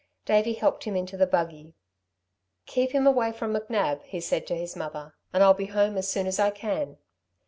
Davey helped him into the buggy. "Keep him away from McNab," he said to his mother, "and I'll be home as soon as I can."